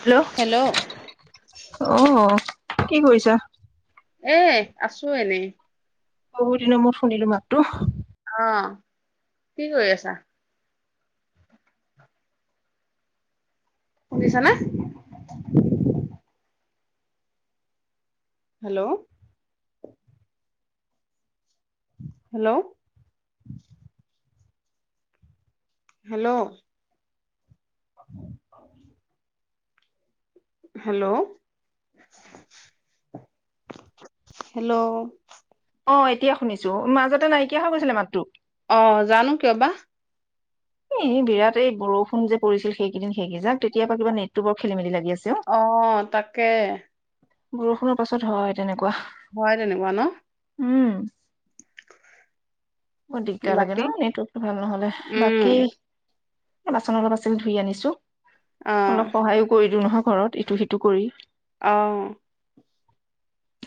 Hello, ' অ'হ'। কি কৰিছা? এ আছো এনেই। বহু দিনৰ মুৰত শুনিলো মাতটো। অ' কি কৰি আছা। শুনিছা নে? Hello? Hello? Hello? Hello, hello? অ, এতিয়া শুনিছো। মাজতে নাইকিয়া হৈ গৈছিলে মাতটো। অ' জানো কিয় বা। এ বিৰাট এই বৰষুণ যে পৰিছিল সেইকেইদিন সেইকেইজাক তেতিয়াৰ পৰা কিবা নেটটো বৰ খেলি মেলি লাগি আছিল। অ' তাকে। বৰষুণৰ পাছত হয় তেনেকুৱা। হয় তেনেকুৱা ন? ও'। বৰ দিগদাৰ লাগে বাকী ন? নেটৱৰ্কটো ভাল নহলে উম বাকী? বাচন অলপ আছিল ধুই আনিছো। অ অলপ সহায়ো কৰি দিওঁ নহক ঘৰত ইটো সিটো কৰি অ'।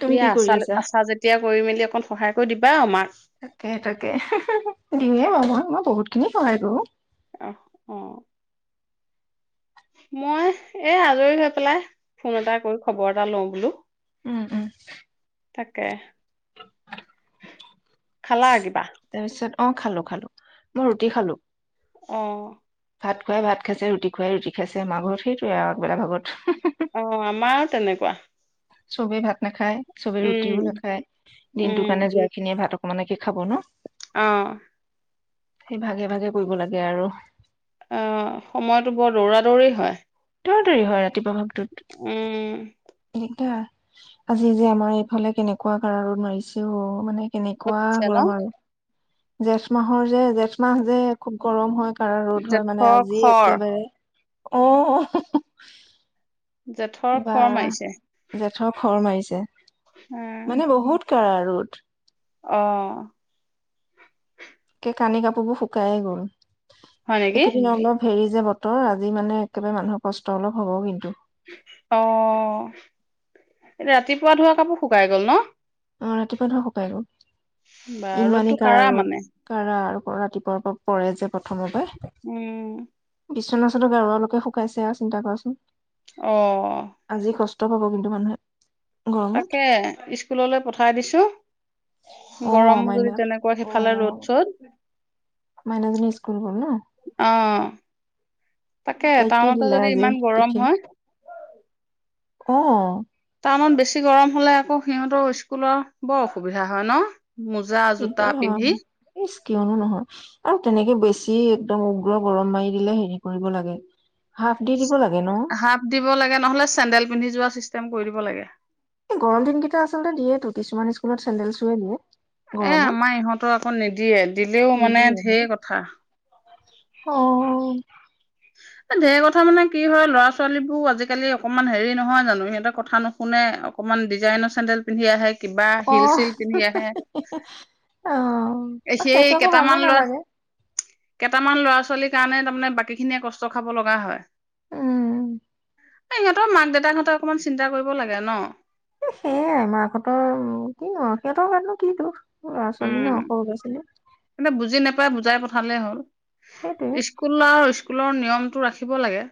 তুমি দিয়া কি কৰি আচা' আছা আচা যেতিয়া কৰি মেলি অকণ সহায় কৰি দিবা আমাক দিওঁয়ে বাৰু মই, মই বহুত খিনি সহায় কৰো। অ'হ অ'। মই, এ আজৰি হৈ পেলাই ফোন এটা কৰি খবৰ এটা লওঁ বোলো? ও'ও'। তাকে। খালা কিবা? তাৰপিছত অ' খালো খালো, মই ৰুটি খালো। অ'। ভাত খোৱাই ভাত খাইছে ৰুটি খোৱাই ৰুটি খাইছে আমাৰঘৰত সেইটোৱে আগবেলা ভাগত। অ' আমা তেনেকুৱা। চবেই ভাত নাখায়? চবে উম ৰুটিও নাখায়, দিনটো উম কাৰণে যোৱা খিনিয়ে ভাতক মানে কি? খাব ন। অ'। সেই ভাগে ভাগে কৰিব লাগে আৰু। অহ সময়তবোৰ দৌৰা দৌৰি হয়। দৌৰা দৌৰি হয় ৰাতিপুৱা।। উম। এইটা। আজিযে আমাৰ এইফালে কেনেকুৱা কাৰহা ৰ'দ মাৰিছে অহ মানে। এনেকুৱা ছে ন গৰম আৰু। জেঠমাহৰ যে জেঠমাহ যে খুব গৰম হয়। ৰ'দ হয় মানে জেঠৰ আজি খৰ একেবাৰে। অ' অ'। [inaudible] জেঠৰ খৰ মাৰিছে। খৰ খৰ মাৰিছে। উম। কাঢ়া ৰ'দ। অহ। কানি-কাপোৰবোৰ শুকাই গ'ল। হয় নেকি? এইকেইদিন অলপ হেৰিযে বতৰ। অহ আজি মানে একেবাৰে মানুহৰ কষ্ট অলপ হ'ব কিন্তু। অ' এতিয়া ৰাতিপুৱা ধোৱা কাপোৰ শুকাই গল নহ। অ' ৰাতিপুৱাবোৰ শুকাই গ'ল। বাঁহ ইমানেই ৰ'দটো কাৰা কাঢ়া ৰ'দ মানে। কাৰা আৰু ৰাতিপুৱাৰ পৰা পৰে যে প্ৰথমৰ পৰা। উম। শুকাইছে আৰু চিন্তা কৰাচোন। অহ। আজি কষ্ট পাব কিন্তু মানুহে। গৰমত তাকে স্কুললৈ পঠাই। খাই দিছোঁ। অ গৰম মাইনা যদি তেনেকুৱা অ সিফালে ৰ'দ চ'দ। মাইনাজনী স্কুল গ'ল নহ? অ', তাকে টাউনটো যদি আজি ইমান গৰম টিফিন হয়। অ'। টাউনত বেছি গৰম হ'লে আকৌ সিহঁতৰ স্কুলৰ বৰঅসুবিধা হয় নহ। মোজা-জোতা দিগদাৰ পিন্ধি। হয়, ইচ কিয়নো নহয় আৰু তেনেকে বেছি একদম উগ্ৰ গৰম মাৰি দিলে হেৰি কৰিব লাগে। হাফ দি দিব লাগে ন হাফ দিব লাগে নহলে চেন্দেল পিন্ধি যোৱা চি। কৰি দিব লাগে। এই গৰম দিনকেইটা আচলতে দিয়েতো কিছুমান স্কুলত চেণ্ডেল চুৱে দিয়ে। এ গৰমত আমাৰ ইহঁতৰ আকৌ নিদিয়ে দিলেও মানে নিদিয়ে বাৰু ধেই কথা। অ'। এ ঢেৰ কথা মানে কি হয় ল'ৰা ছোৱালী বোৰ আজিকালি অকনমান হেৰি নহয় জানো, সিহঁতেৰ কথা নুশুনে অকনমান ডিজাইনৰ চেণ্ডেল পিন্ধি আহে কিবা হিল অ' চিল পিন্ধি আহে সে অ সেইটো আকৌ ভালো নালাগে। কেটামান ল'ৰা ছোৱালীৰ কাৰণে তাৰমানে বাকীখিনিয়ে কষ্ট খাব লগা হয়। উম ইহঁতৰ মাক দেউতাক হতে অকমান চিন্তা কৰিব লাগে ন। এ সেইয়াই মাক হঁতৰ। কিনো সিহঁৰ গাতনো কি দুখ। ল'ৰা ছোৱালী ন' সৰু ল'ৰা ছোৱালী। প বুজাই পঠালেই হ'ল। সেইটোৱে স্কুল আৰু স্কু। স্কুলৰ নিয়মটো ৰাখিব লাগে।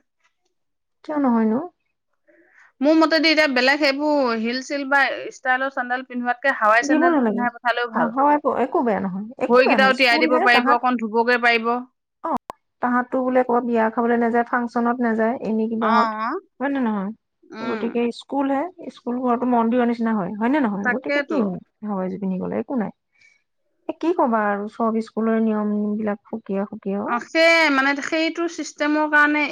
কিয় নহয়নো। মোৰ মতেদি এতিয়া বেলেগ সেইবোৰ হিল -চিল বা ষ্টাইলৰ চেণ্ডেল পিন্ধোৱাত। হাৱাই দিব চেণ্ডেলজোৰ নালাগে পিন্ধাই পঠালেও অ ভাল হয় একো একো বেয়া নহয় একো বেয়া নহয় ভৰিকেইটাও স্কুল তিয়াই হে দিব তাহাঁত পাৰিব অকণ ধুবগে। [inaudible] তাহাঁতো বোলে কত বিয়া খাবলে নাযায় ফাংচনত নাযায়। এনেই কিবা হত অ', হয় নে নহয়? উম, গতিকে স্কুল হে। স্কুল ঘৰতো মন্দিৰৰ নিচিনা হয়। হয় নে নহয় গতিকে কি তাকেতো। হয়? হয় যদি। পিন্ধি গ'লে একো নাই কি কবা আৰু চব স্কুলৰ নিয়ম বিলাক খুব। কিয় সুকিয়া অ'। মানে সেইটো ছিষ্টেমৰ কাৰণে।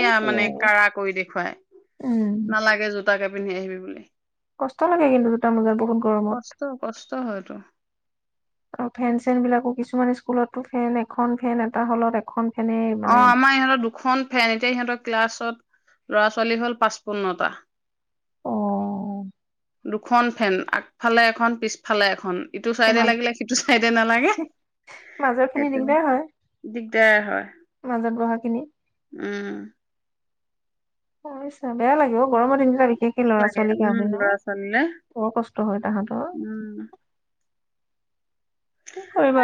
অ মানে কাৰা কৰি দেখুৱাই উম নালাগে য'ত। তাকে পিন্ধি আহিবি বুলি। কষ্ট লাগে কিন্তু জোতা মোজা বহুত গৰমত। কষ্ট কষ্ট হয়তো। আৰু ফেন-চেন বিলাকো কিছুমান স্কুলতো ফেন এখন ফেন এটা হলত এখন। ফেনে মানে অ' আমাৰ ইহঁতৰ দুখন ফেন এতিয়া ইহঁতৰ ক্লাছত। ল'ৰা ছোৱালী হ'ল পাঁচপোন্নটা। অ'। দুখন ফেন আগফালে এখন পিছফালে এখন। ইটো চাইদে লাগিলে সিটো চাইদে নালাগে মাজৰ খিনি সেইটো দিগদাৰ হয় দিগদাৰ হয়। [inaudible] উ। [unintelligible] গৰমৰ দিনক বিলাক বিশেষকে ল'ৰা লাগে ছোৱালী উম কাৰণে ন ল'ৰা ছোৱালীলে বৰ কষ্ট হয় তাহাতৰ উম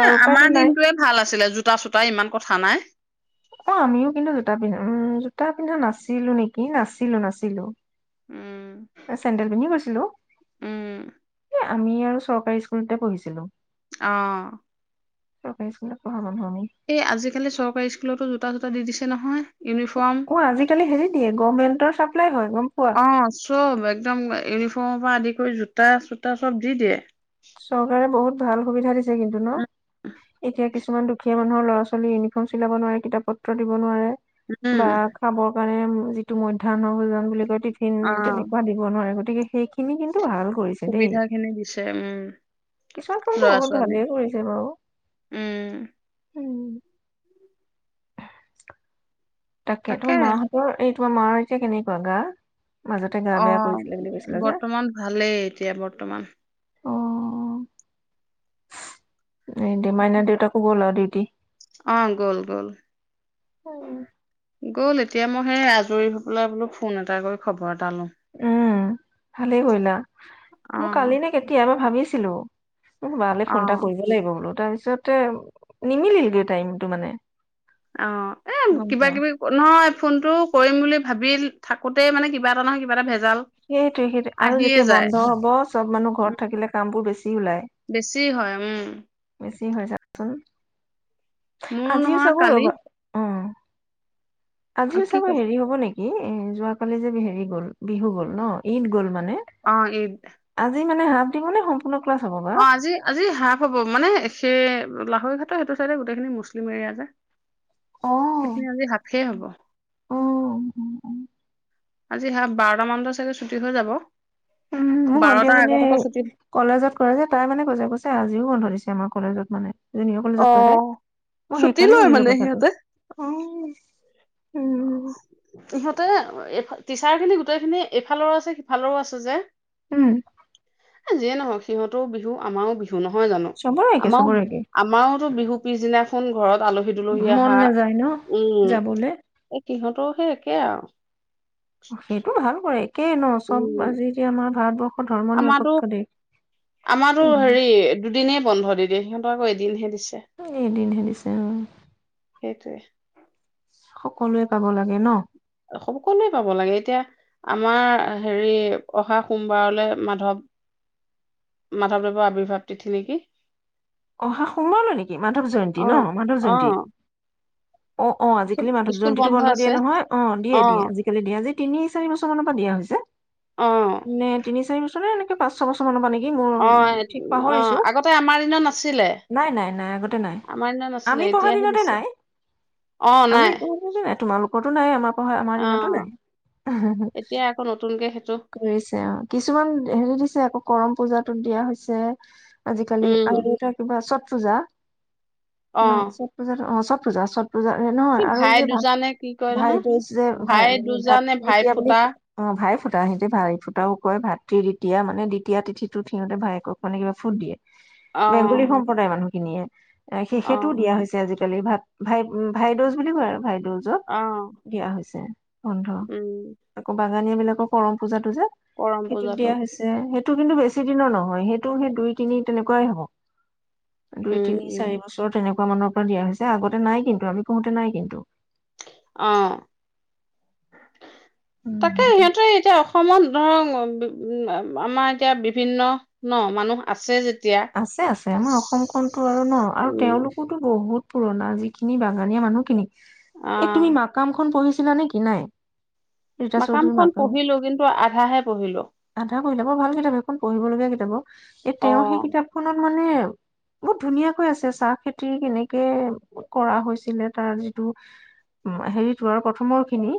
এ আৰু উপায়তো আমাৰ নাই দিনটোয়ে ভাল আছিলে জোতা চোতা ইমান কথা নাই অ' আমিও কিন্তু জোতা পিন্ধা উম জোতা পিন্ধা নাছিলো নেকি নাছিলো নাছিলো। উম চেন্দেল পিন্ধি গৈছিলো উম [unintelligible] আমি আৰু চৰকাৰী স্কুলতে পঢ়িছিলো অহ। চৰকাৰী স্কুলত পঢ়া। মানুহ আমি এই আজিকালি চৰকাৰী স্কুলতো জো তা চোতা দি দিছে নহয় ইউনিফৰ্ম অ' আজিকালি হেৰি দিয়ে গভমেন্টৰ চাপ্লাই হয় গম পোৱা অ চব একদম ইউনিফৰ্মৰ আদি কৰি জোতা চোতা চব দি দিয়ে। চৰকাৰে বহুত ভাল সুবিধা দিছে কিন্তু ন! উম এতিয়া কি কিছুমান দুখীয়া মানুহৰ ল'ৰা ছোৱালী ইউনিফৰ্ম চিলাব নোৱাৰে কিতাপ পত্ৰ দিব নোৱাৰে। বা উম খাবৰ কাৰণে যিটো মধ্যাহ্ন ভোজন বুলি কয় টিফিন অ তেনেকুৱা দিব নোৱাৰে। সেই সেই খিনি কিন্তু ভাল কৰিছে দেই সুবিধা খিনি দিছে উম কিছুমান কামটো ল'ৰা বহুত ছোৱালী ভালেই কৰিছে বাৰু উম উম [unintelligible] তাকেটো তাকে মাহঁতৰ এই তোমাৰ মাৰ এতিয়া কেনেকুৱা গা মাজতে গা বেয়া অহ কৰিছিলে বুলি কৈছিলা যে বৰ্তমান ভালেই এতিয়া বৰ্তমান এই দে মাইনা দেউতাক গ'ল আৰু [unintelligible] অ' গ'ল গ'ল উম! গ'ল এতিয়া মই সেই আজৰি হৈ পেলাই বোলো ফোন এটা কৰি খবৰ, এটা লও উম ভালেই কৰিলা, মোৰ কালি নে কেতিয়া এবাৰ ভাবিছো তিলো। বালে ফোন এটা অ'। কৰিব লাগিব, বোলো তা পিছতে, নিমিলিলগৈ টাইমতটো মানে? অ' এ গম কিবা পোৱা কিবি নহয় ফোনটো কৰিম বুলি ভাবিল থাকোতেই মানে কিবা এটা নহয় কিবা এটা ভ সেইটোয়ে সেইটো আৰু যেতিয়া বন্ধ হ'ব চব মানুহ উম, ঘৰত থাকিলে কাম বোৰ বেছি ওলাই বেছি হয় উম। কি হৈছে তোৰ? মোৰ আজিও নহয় চাগৈ কালি ৰ'বা অ' অ', আজিও কি চাগ কৈছে হেৰি হ'ব নেকি? উম উম যোৱাকালি যে হেৰি গ'ল, বিহু গ'ল? ন' ঈদ গ'ল মা অ, ' ঈদ। মানে হাত ডিঙো নে সং অ, ' আজি আজি হাফ হ'ব, মানে সেই লাহৰি ঘাটৰ সেইটো চাইদে গোটেইখিন মুছলিম এৰিয়া যে। সেইখিনি অ', আজি হাফেই হ'ব উ, উ, উ আজি হাফ, বাৰটামানতে চাগে ছুটি হৈ যাব। উম মোৰ ভণ্টি বাৰটাৰ আগত এজনীয়ে আকৌ ছুটি কলেজত কৰে যে, তাই মানে কৈছে কৈছে আজিও বন্ধ দিছে। আমাৰ কলেজত মানে জুনিয়ৰ কলেজত কৰে অ', মই ছুটি সেইকাৰণে লয় সুধিলো মানে সিহঁতে। কথাটো অ'। উম সিহঁতে এফাল টিচাৰ খিনি গোটেইখিনি এইফালৰো আছে সিফালৰো আছে যে। উম। এ, যিয়ে নহওক সিহঁতৰ বিহু আমাৰও বিহু। নহয় জানো চবৰে একে আমাৰো চবৰে একে আমাৰো বিহু পিছদিনাখন ঘৰত আলহী তুলহী মন আহা নাযায় ন উম। যাবলে। সিহঁতৰো সেই একেই আৰু। সেইটো ভাল কৰে। একেই ন' চব উম আজিয়া আমাৰ ভাৰতৰ্ব ধৰ্ম নিৰপেক্ষ দেশ। আমাৰো উম। হেৰি দুদিনেই বন্ধ দি দিয়ে ইহঁতৰ আক এদিন হে দিছে। এদিন হে দিছে উম! সেইটোৱে সকলোৱে পাব লাগে ন, সকলোৱে পাব লাগে এতিয়া আমাৰ হেৰি অহা সোমবাৰলৈ মাধৱ মাধৱদেৱৰ আৱিৰ্ভাৱ তিথি নিকি অহা সোমবাৰলৈ নিকি মাধৱ জয়ন্তী অ ন মাধৱ অ জয়ন্তী অ' অ' আজিকালি মাধৱ স্কুল জয়ন্তীটো বন্ধ আছে দিয়ে নহয় অ দিয়ে অ দিয়ে আজিকালি দিয়ে আজি তিনি চাৰি বছৰ মানৰ পৰা দিয়া হৈছে অঁ নে তিনি চাৰি বছৰে এনেকে পাঁচ ছবছৰৰ মানৰ পা নিকি অ অ আগতে আমাৰ দিনত নাছি নাই নাই নাই আগতে নাই নাছিলে আমি পঢ়া এতিয়াহে দিনতে দিছে নাই অঁ আমি নাই পঢ়োতেই নাই তোমালোক ৰতো নাইয়ে আমাৰ হয় আমাৰ দিনতো অঁ নাই এতিয়া আকৌ নতুনকে সেইটো কৰিছে অ কিছুমান হেৰি দিছে আকৌ কৰম, পূজাটো দিয়া হৈছে। আজিকালি উম [unintelligible] ছট পূজা ন অঁ ছট পূজাত অ পূজা, পূজা নহয় কি আৰু এই ভাই যে ভ দুজানে কি কয় নহয় ভাইটো হৈছে যে ভাই দুজানে ভাতৃ ভাই যেতিয়া বুলি ফুটা অ ভাই ফুট ফুটা সিহঁতি ভাই ফুটাও কয় ভাতৃ দ্বিতীয়া মানে দ্বিতীয়া তিথিটোত সিহঁতে ভায়েকক মানে কিবা ফুট দিয়ে। বেংগলী অ' সম্প্ৰদায়ৰ মানুহখিনিয়ে সেইটোও দিয়া হৈছে আজিকালি এ ভাত ভাই ভাই দুজ বুলি কয় আৰু ভাই, দুজত অঁ দিয়া হৈছে। উম [unintelligible] বাগানীয়া বিলাকৰ কৰম পূজাটো যে, কৰম সেইটোত পূজাটো দিয়া হৈছে সে ইটো কিন্তু বেছি দিনৰ নহয় সেইটো সেই দুই তিনি তেনেকুৱাই হ'ব দুই উম তিনি উম চাৰি বছৰ তেনেকুৱা, মানৰ পৰা দিয়া হৈছে আগতে নাই কিন্তু আমি পঢ়োতে নাই কিন্তু অ' তাকে সিহঁতেৰ এতিয়া। অসমত ধৰক [unintelligible] আমাৰ এতিয়া বিভিন্ন ন মানুহ আছে যেত আছে আছে আমাৰ অসমখনতো আৰু ন আৰু উম তেওঁলোকোতো বহুত পুৰণা যিখিনি বাগানীয়া মানুহখিনিকি। এ অঁ তুমি মাকামখনন পঢ়িছ [unintelligible] কি নাই। ৰীতা মাকাম চৌধুৰী খন পঢ়িলো কিন্তু আ ধাহে পঢ়িলো। আধা পঢ়িলা বৰ ভাল কিতাপ সেইখন পঢ়িবলগীয়া কিতাপ অ। এ, অ তেওঁ সেই কিতাপখনত মানে বহুত ধুনীয়াাকৈ আছে চাহ খেতি কেনেকে কৰা হৈছিলে তাৰ যিটো হেৰিটো আৰু প্ৰথমৰ খিনি।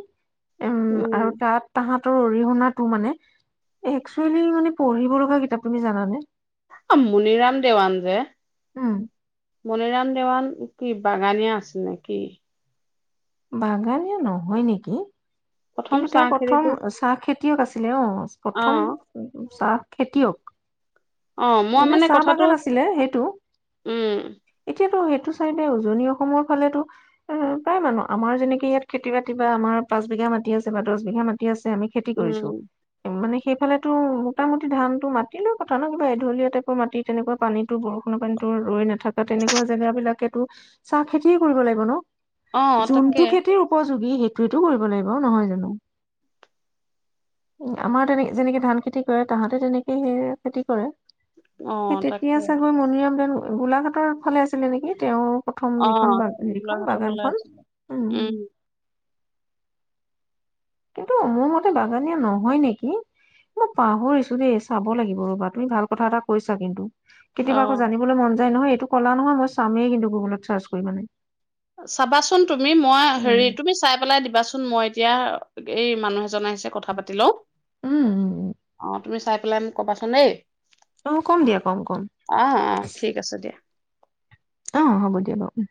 উম, আৰু তাত তাহাঁত অৰিহণা টো মানে একচুৱেলি মানে পঢ়িব লগা কিতাপ তুমি জানানে। মনিৰাম দেৱান, যে উম মণিৰাম দেৱান কি বাগানীয়া আছিল নে কি। বাগানীয়া নহয় নেকি। প্ৰথম কিন্তু চাহ তেওঁ প্ৰথম খেতিটো চাহ খেতি তিয়ক আছিলে অ'। প্ৰথম চাহ খেতিয়ক। অ মই মানে চাহ কথাটো বাগান আছিলে সেইটো, উম এতিয়াতো সেইট চাইদে উজনি অসমৰ ফালেতো অ, প্ৰায় মানুহ আমাৰ যেনেকে ইয়াত খেতি বাতি বা আমাৰ পাঁচ বিঘা মাট মাটিআছে বা দহ বিঘা মাটি আছে আমি খেতি উম কৰিছো, মানে সেইফালেতো মোটামুটি ধানতটো মাতি লৈও কথা ন কিবা এঢলীয়া টাইপৰ মাটি তেনেকুৱা পানীতো বৰষুণৰ পানীতো ৰৈ নেথকা তেনেকুৱা জেগা বিলাকে তো চাহ খেতিয়ে কৰিব লাগিব ন। অ তাকে যোনটো খেতিৰ উপযোগী সেই যিটো কৰিব লাগিব। অ', নহয় জানো। উম, আমাৰ তেনে-যেনেকে ধান খেতি কৰে তাহাঁতে তেনেকে সেইয়ে খেতি কৰে। অ সেই তেতিয়া তাকে চাগৈ মণিৰাম দেৱান গোলাঘাটৰ ফালে আছিলে নেকি, তেওঁ প্ৰথম অ যিখন বাগ-হেৰিখন গোলাঘাটৰ ফালে বাগানখন, আছিলে উম। কিন্তু মোৰ মতে বাগানীয়া নহয় নেকি, মই পাহৰিছো দেই চাব লাগিব ৰ'বা তুমি ভাল কথা এটা কৈছা কিন্তু। অ কেতিয়াবা আকৌ জানিবলৈ মন যায় নহয় কলা নহয় মই চামেই কিন্তু গুগলত চাৰ্চ কৰি মানে। চাবাচোন তুমি মই হেৰি উম। তুমি চাই পেলাই দিবাচোন কোন মই এতিয়া এই মানুহ এজন আহিছে। কথা পাতি লও উম, উম, উম, অ' তুমি চাই পেলাই মোক ক'বাচোন দেই অ' কম দিয়া কম কম অ অ ঠিক আছে দিয়া আহ হ'ব দিয়া বাৰু